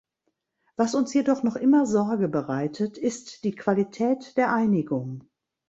Was uns jedoch noch immer Sorge bereitet, ist die Qualität der Einigung.